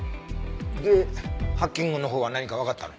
でハッキングのほうは何かわかったの？